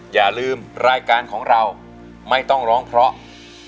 อย่าลืมรายการของเราไม่ต้องร้องเพราะ